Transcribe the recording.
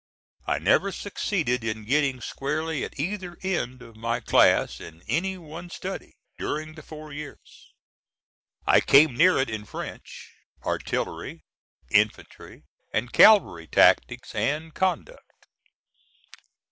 I never succeeded in getting squarely at either end of my class, in any one study, during the four years. I came near it in French, artillery, infantry and cavalry tactics, and conduct.